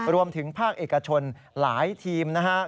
รวมถึงภาคเอกชนหลายทีมนะครับ